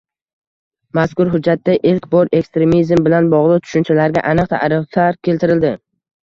Mazkur hujjatda ilk bor ekstremizm bilan bogʻliq tushunchalarga aniq taʼriflar keltirildi.